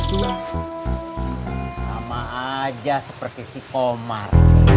sama aja seperti si komar